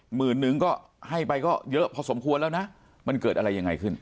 หมื่นนึงก็ให้ไปก็เยอะพอสมควรแล้วนะมันเกิดอะไรยังไงขึ้น